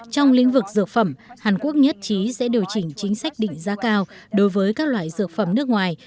trong lĩnh vực dược phẩm hàn quốc nhất trí sẽ điều chỉnh chính sách định giá cao đối với các loại dược phẩm nước ngoài